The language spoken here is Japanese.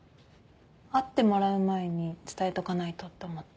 会ってもらう前に伝えとかないとって思って。